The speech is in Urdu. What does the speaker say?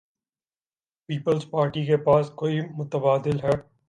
پیپلزپارٹی کے پاس کو ئی متبادل ہے؟